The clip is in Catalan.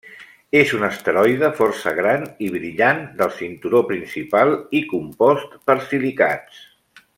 És un asteroide força gran i brillant del cinturó principal, i compost per silicats.